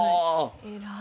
偉い。